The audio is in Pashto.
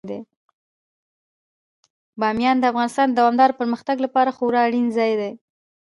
بامیان د افغانستان د دوامداره پرمختګ لپاره خورا اړین ځای دی.